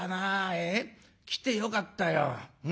ええ？来てよかったようん。